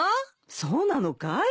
そうなのかい？